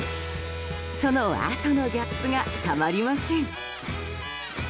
そのあとのギャップがたまりません。